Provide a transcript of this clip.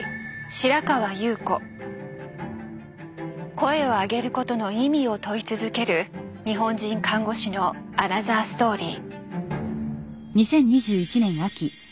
「声を上げる」ことの意味を問い続ける日本人看護師のアナザーストーリー。